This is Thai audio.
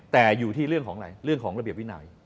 แต่อยู่ที่เรื่องของอะไรเรื่องของระเบียบวินัย